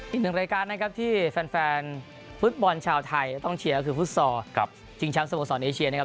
อีกหนึ่งรายการนะครับที่แฟนฟุตบอลชาวไทยต้องเชียร์ก็คือฟุตซอลชิงแชมป์สโมสรเอเชียนะครับ